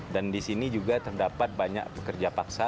dan disini juga terdapat banyak pekerja paksa